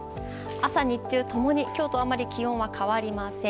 朝、日中共に今日とあまり気温は変わりません。